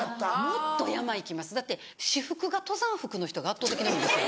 もっと山行きますだって私服が登山服の人が圧倒的に多いんですよ